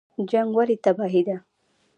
جنګ ولې تباهي ده؟